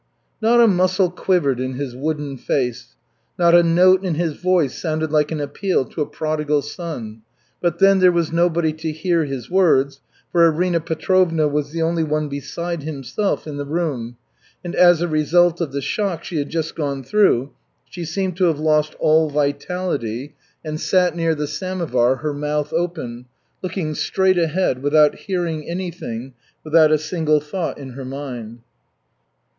Not a muscle quivered in his wooden face, not a note in his voice sounded like an appeal to a prodigal son. But, then, there was nobody to hear his words, for Arina Petrovna was the only one beside himself in the room, and as a result of the shock she had just gone through she seemed to have lost all vitality, and sat near the samovar, her mouth open, looking straight ahead, without hearing anything, without a single thought in her mind.